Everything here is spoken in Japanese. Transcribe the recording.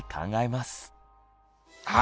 はい。